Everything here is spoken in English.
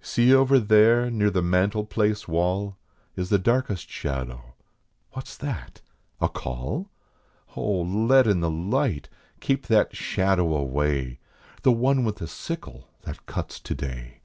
See over there near the mantel place wall Is the darkest shadow. What s that a call ? Oh, let in the light, keep that shadow away, The one with the sickle that cuts today.